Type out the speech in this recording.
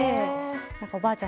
おばあちゃん